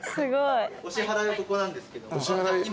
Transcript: お支払いはここなんですけど今。